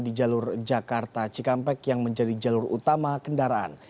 di jalur jakarta cikampek yang menjadi jalur utama kendaraan